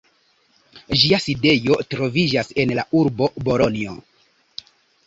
Ĝia sidejo troviĝas en la urbo Bolonjo.